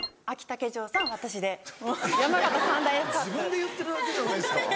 自分で言ってるだけじゃないですか？